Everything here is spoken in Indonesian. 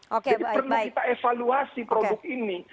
jadi perlu kita evaluasi produk ini